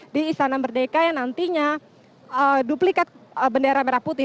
di istana merdeka yang nantinya duplikat bendera merah putih